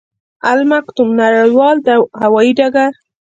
المکتوم نړیوال هوايي ډګر